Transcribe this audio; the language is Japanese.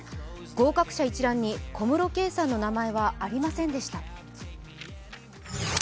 合格者一覧に小室圭さんの名前はありませんでした。